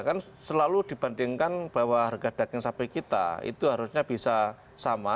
karena selalu dibandingkan bahwa harga daging sapi kita itu harusnya bisa sama